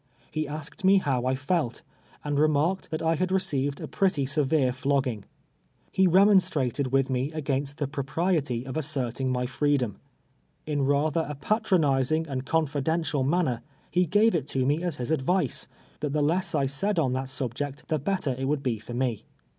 He asked me how I felt, and remark ed that I had received a pretty severe flogging, lie renntnstrated with me against the i>ropriety of as serting my freedom. In rather a patronizing and confidential manner, he gave it to me as his advice, that the less I said on that subject the better it wnuld Le for me.